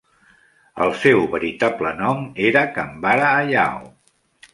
El seu veritable nom era Kambara Hayao.